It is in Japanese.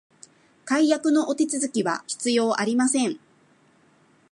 解約のお手続きは必要ありません